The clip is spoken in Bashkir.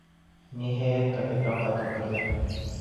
Ниһайәт, капитан ҡайтып керҙе.